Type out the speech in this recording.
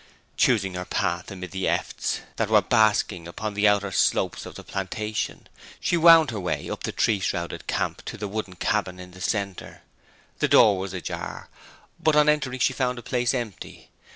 Choosing her path amid the efts that were basking upon the outer slopes of the plantation she wound her way up the tree shrouded camp to the wooden cabin in the centre. The door was ajar, but on entering she found the place empty.